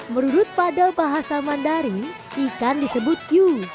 menurut pada bahasa mandari ikan disebut yu